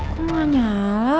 kok gak nyala